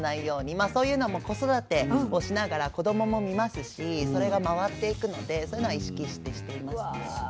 まあそういうのも子育てをしながら子供も見ますしそれが回っていくのでそういうのは意識してしていますね。